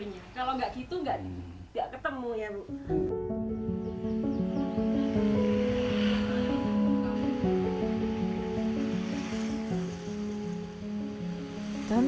ya bu dan